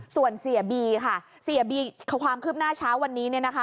ส่วนเสียบีค่ะเสียบีความคืบหน้าเช้าวันนี้เนี่ยนะคะ